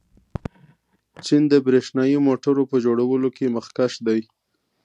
چین د برښنايي موټرو په جوړولو کې مخکښ دی.